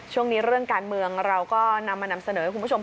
ช่วงนี้เรื่องการเมืองเราก็นำมานำเสนอให้คุณผู้ชม